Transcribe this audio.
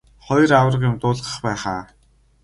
Хоёр аварга юм дуулгах байх аа.